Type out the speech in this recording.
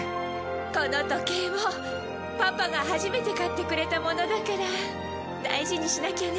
この時計もパパが初めて買ってくれたものだから大事にしなきゃね。